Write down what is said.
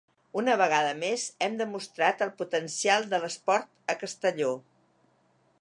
Una vegada més hem demostrat el potencial de l’esport a Castelló.